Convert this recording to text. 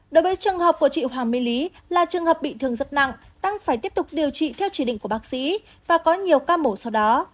đối với trường hợp của chị hoàng mê lý là trường hợp bị thương rất nặng tăng phải tiếp tục điều trị theo chỉ định của bác sĩ và có nhiều ca mổ sau đó